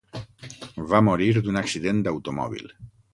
Va morir d'un accident d'automòbil.